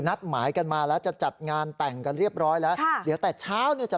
นัดหมายกันมาแล้วจะจัดงานแต่งกันเรียบร้อยแล้วค่ะเดี๋ยวแต่เช้าเนี่ยจะ